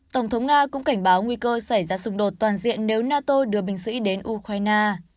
tổng thống nga cũng cảnh báo nguy cơ xảy ra xung đột toàn diện nếu nato đưa binh sĩ đến ukraine